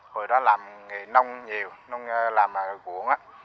hồi đó làm nghề nông nhiều làm vụn